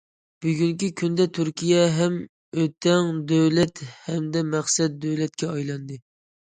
بۈگۈنكى كۈندە تۈركىيە ھەم ئۆتەڭ دۆلەت ھەمدە مەقسەت دۆلەتكە ئايلاندى.